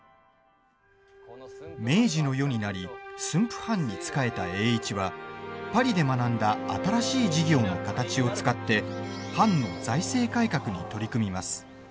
明治の世になり駿府藩に仕えた栄一はパリで学んだ新しい事業の形を使って藩の財政改革に取り組みます。